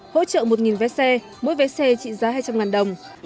hỗ trợ một vé xe mỗi vé xe trị giá hai trăm linh đồng